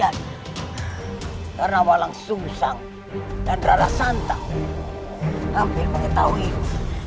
karena walang susang dan rara santang hampir mengetahuinu